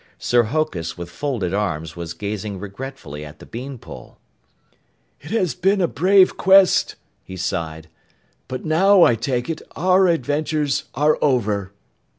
Sir Hokus, with folded arms, was gazing regretfully at the bean pole. "It has been a brave quest," he sighed, "but now, I take it, our adventures are over!"